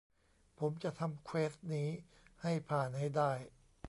ผมจะทำเควสต์นี้ให้ผ่านให้ได้